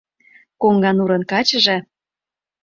Коҥганурын качыже